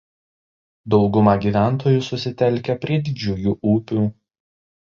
Dauguma gyventojų susitelkę prie didžiųjų upių.